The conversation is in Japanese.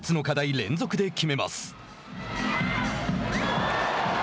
連続で決めます。